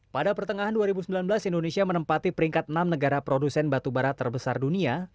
pada pertengahan dua ribu sembilan belas indonesia menempati peringkat enam negara produsen batubara terbesar dunia